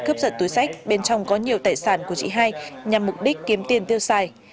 cướp giật túi sách bên trong có nhiều tài sản của chị hai nhằm mục đích kiếm tiền tiêu xài